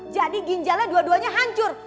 jadi ginjalnya dua duanya hancur